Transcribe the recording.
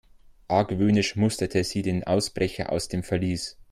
Argwöhnisch musterte sie den Ausbrecher aus dem Verlies.